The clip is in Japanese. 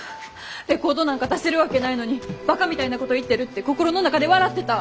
レコードなんか出せるわけないのにバカみたいなこと言ってるって心の中で笑ってた？